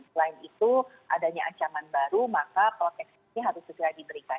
selain itu adanya ancaman baru maka proteksi ini harus segera diberikan